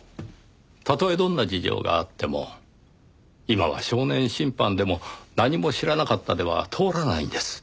たとえどんな事情があっても今は少年審判でも「何も知らなかった」では通らないんです。